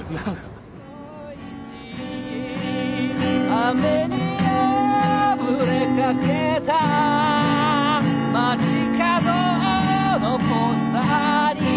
「雨に破れかけた街角のポスターに」